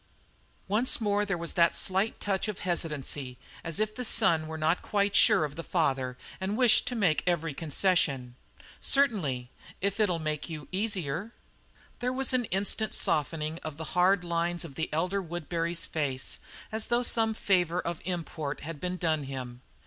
Once more there was that slight touch of hesitancy, as if the son were not quite sure of the father and wished to make every concession. "Certainly, if it'll make you easier." There was an instant softening of the hard lines of the elder Woodbury's face, as though some favour of import had been done him.